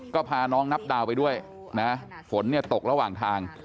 ก็พาน้องนับดาวไปด้วยนะฝนเนี่ยตกระหว่างทาง